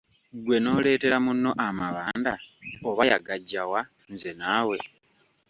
Ggwe n'oleetera munno amabanda! Oba yagaggya wa, nze naawe.